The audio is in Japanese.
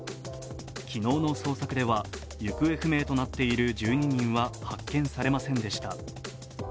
昨日の捜索では、行方不明となっている１２人は発見されませんでした。